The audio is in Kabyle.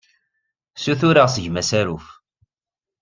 Ssutureɣ seg-m asaruf.